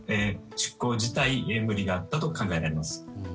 出航自体に無理があったと考えられます。